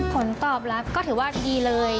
ผลตอบรับก็ถือว่าดีเลย